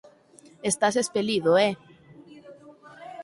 _Estás espelido, eh.